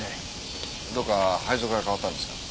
どこか配属が変わったんですか？